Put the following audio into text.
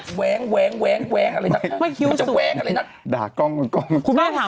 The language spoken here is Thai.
คิวสวยจริงวันนี้